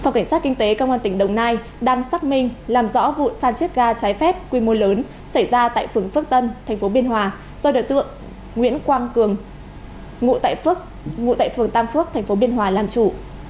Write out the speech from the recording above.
phòng cảnh sát kinh tế công an tỉnh đồng nai đang xác minh làm rõ vụ san chết ga trái phép quy mô lớn xảy ra tại phường phước tân tp biên hòa do đối tượng nguyễn quang cường ngụ tại phương tam phước tp biên hòa làm chủ